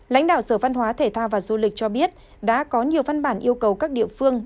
lãnh đạo sở văn hóa thể thao và du lịch cho biết đã có nhiều văn bản yêu cầu các địa phương